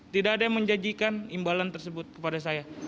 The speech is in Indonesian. tidak ada yang menjanjikan imbalan tersebut kepada saya